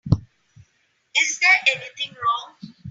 Is there anything wrong?